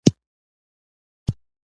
سندره د سولې غږ دی